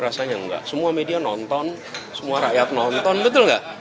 rasanya enggak semua media nonton semua rakyat nonton betul nggak